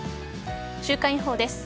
週間予報です。